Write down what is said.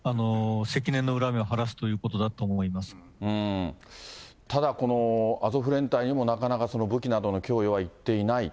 積年の恨みを晴らすということだただ、このアゾフ連隊にもなかなか武器などの供与はいっていない。